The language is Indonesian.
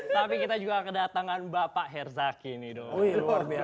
tapi kita juga kedatangan bapak herzaki nih dong